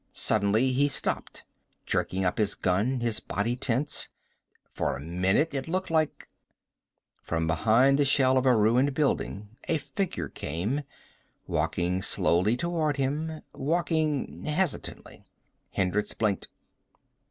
Suddenly he stopped, jerking up his gun, his body tense. For a minute it looked like From behind the shell of a ruined building a figure came, walking slowly toward him, walking hesitantly. Hendricks blinked.